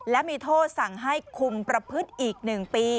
และมีโทษสั่งให้คุมประพฤติอีก๑ปี